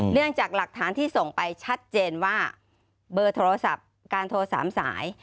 เรื่องจากหลักฐานที่ส่งไปชัดเจนว่าเบอร์โทรศัพท์การโทร๓สาย